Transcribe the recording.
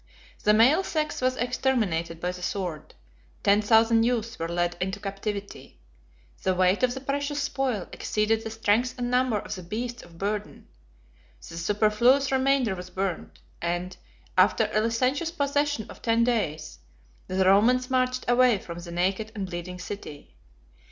The male sex was exterminated by the sword; ten thousand youths were led into captivity; the weight of the precious spoil exceeded the strength and number of the beasts of burden; the superfluous remainder was burnt; and, after a licentious possession of ten days, the Romans marched away from the naked and bleeding city.